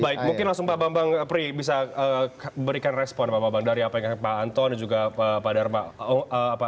oke baik mungkin langsung pak bang pri bisa berikan respon pak bang darya pak anton juga pak darma